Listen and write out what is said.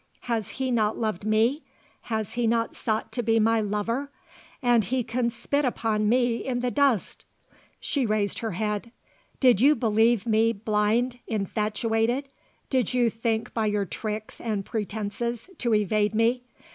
Has he not loved me? Has he not sought to be my lover? And he can spit upon me in the dust!" She raised her head. "Did you believe me blind, infatuated? Did you think by your tricks and pretences to evade me?